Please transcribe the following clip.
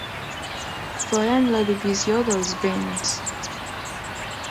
Feien la divisió dels béns.